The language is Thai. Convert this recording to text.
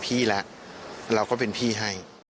พี่แล้วเราก็เป็นพี่ให้